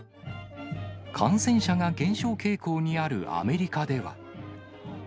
感染者が減少傾向にあるアメリカでは。